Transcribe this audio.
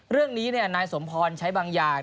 เรื่องนี้นายสมพรใช้บางอย่าง